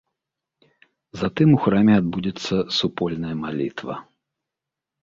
Затым у храме адбудзецца супольная малітва.